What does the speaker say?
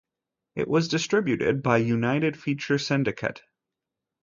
It was distributed by United Feature Syndicate.